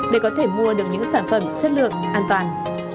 để có thể mua được những sản phẩm chất lượng an toàn